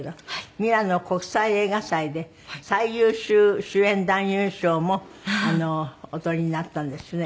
ミラノ国際映画祭で最優秀主演男優賞もお取りになったんですね。